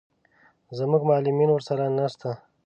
زموږ معلمین ورسره نه شته.